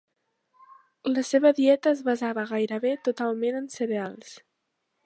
La seva dieta es basava gairebé totalment en cereals.